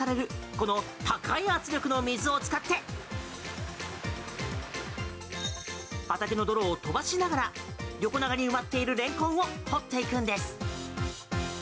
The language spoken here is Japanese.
この高い圧力の水を使って畑の泥を飛ばしながら横長に埋まっているレンコンを掘っていくんです。